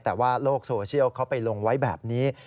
แต่ว่าโลกโซเชียลเขาไปลงไว้แบบนี้